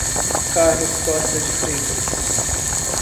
Carlos Costa de Freitas